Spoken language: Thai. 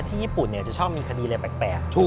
ที่ญี่ปุ่นเนี่ยจะชอบมีคดีอะไรแปลกแปล